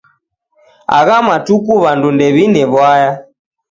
Agha matuku w'andu ndew'ine w'uaya.